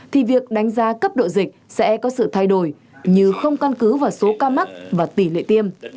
thì việc đánh giá cấp độ dịch sẽ có sự thay đổi như không căn cứ vào số ca mắc và tỷ lệ tiêm